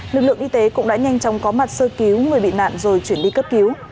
lực lượng y tế cũng đã nhanh chóng có mặt sơ cứu người bị nạn rồi chuyển đi cấp cứu